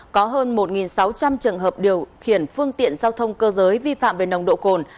có hơn một sáu trăm linh trường hợp điều khiển phương tiện giao thông cơ giới vi phạm về nồng độ cồn